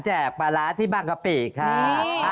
แจกมาร้าที่บางกะปิครับ